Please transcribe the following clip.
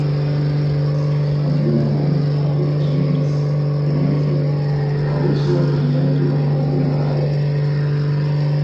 Majina yana taarifa nyingi ziwahusuzo watumiaji wa majina hayo